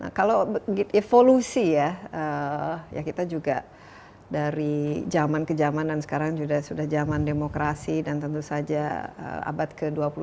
nah kalau evolusi ya kita juga dari zaman ke zaman dan sekarang sudah zaman demokrasi dan tentu saja abad ke dua puluh satu